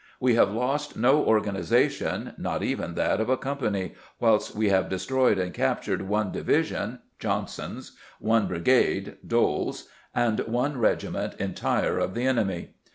"We have lost no organi zation, not even that of a company, whilst we have de stroyed and captured one division (Johnson's), one bri gade (Doles's), and one regiment entire of the enemy."